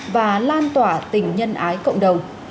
và lan tỏa tình nhân ái cộng đồng